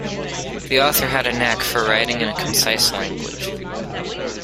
The author had a knack for writing in a concise language.